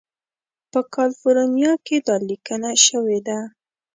په کالیفورنیا کې دا لیکنه شوې ده.